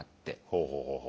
ほうほうほうほう。